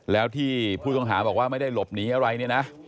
แล้วที่ผู้ต้องหาบอกว่าไม่ได้หลบหนีอะไรเนี่ยนะ